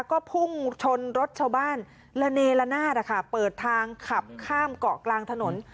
ก็พุ่งชนรถชาวบ้านระเนละนาดเปิดทางขับข้ามเกาะกลางถนน